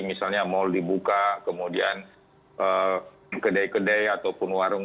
misalnya mal dibuka kemudian kedai kedai ataupun warung